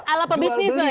ala pebisnis lah ya